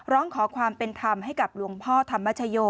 ร้องขอความเป็นธรรมให้กับหลวงพ่อธรรมชโย